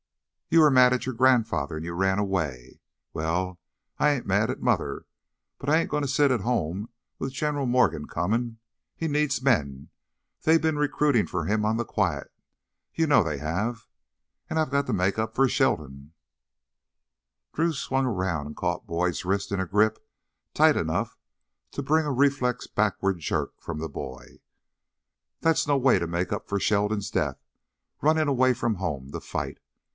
"You were mad at your grandfather, and you ran away. Well, I ain't mad at Mother, but I ain't goin' to sit at home with General Morgan comin'! He needs men. They've been recruitin' for him on the quiet; you know they have. And I've got to make up for Sheldon " Drew swung around and caught Boyd's wrist in a grip tight enough to bring a reflex backward jerk from the boy. "That's no way to make up for Sheldon's death runnin' away from home to fight.